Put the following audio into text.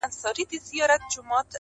كوم خوشال به لړزوي په كټ كي زړونه!.